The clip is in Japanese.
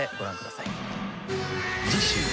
［次週。